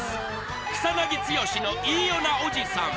草なぎ剛のいいよなおじさん